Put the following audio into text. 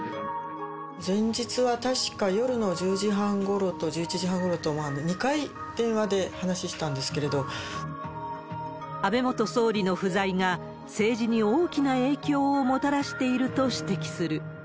前日は、確か夜の１０時半ごろと１１時半ごろと、安倍元総理の不在が、政治に大きな影響をもたらしていると指摘する。